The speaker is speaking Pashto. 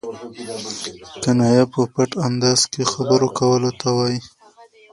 کنایه په پټ انداز کښي خبرو کولو ته وايي.